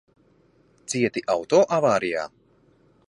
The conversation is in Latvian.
Cieti auto avārijā?